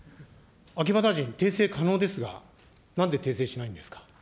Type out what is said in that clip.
秋葉大臣、訂正可能ですが、なんで訂正しないんですか。